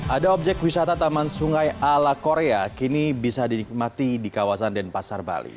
ada objek wisata taman sungai ala korea kini bisa dinikmati di kawasan denpasar bali